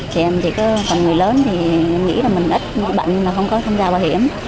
thì em thì có phần người lớn thì nghĩ là mình ít bị bệnh mà không có tham gia bảo hiểm